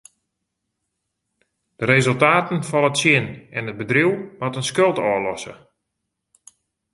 De resultaten falle tsjin en it bedriuw moat in skuld ôflosse.